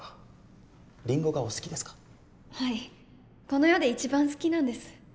この世で一番好きなんです。